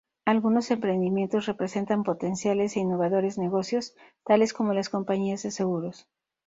Algunos emprendimientos representaban potenciales e innovadores negocios, tales como las compañías de seguros.